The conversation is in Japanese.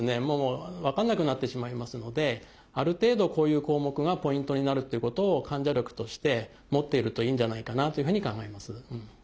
もう分かんなくなってしまいますのである程度こういう項目がポイントになるっていうことを患者力として持っているといいんじゃないかなというふうに考えます。